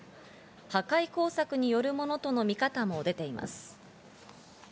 破壊工作によるものとの見方も出ています。